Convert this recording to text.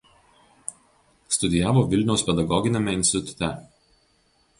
Studijavo Vilniaus pedagoginiame institute.